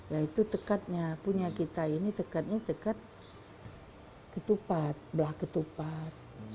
yaitu tekatnya punya kita ini tekatnya tekat ketupat belah ketupat